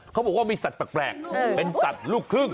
เขาบอกว่ามีสัตว์แปลกเป็นสัตว์ลูกครึ่ง